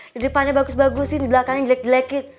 di depannya bagus bagusin di belakangnya jelek jelekin